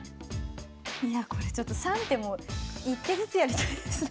いやこれちょっと３手も１手ずつやりたいですね。